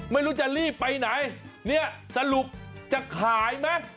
ไม่รู้จะรีบไปไหนเนี่ยสรุปจะขายไหม